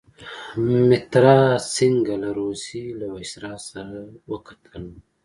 مترا سینګه له روسيې له ویسرا سره وکتل.